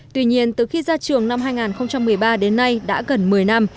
tuy nhiên từ khi ra trường năm hai nghìn một mươi ba đến nay đã gần một mươi năm